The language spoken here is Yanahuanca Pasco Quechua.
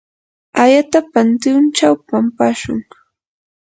ayata pantyunchaw pampashun.